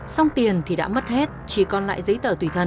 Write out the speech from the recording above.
xong tiền thì đã mất hết chỉ còn lại giấy tờ tùy thân